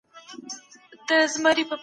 د سردرد مخنیوی لپاره محتاطانه تدابیر ونیسئ.